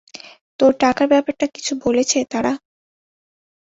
তোর টাকার ব্যাপারটা কিছু বলেছে তারা?